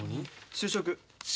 就職！？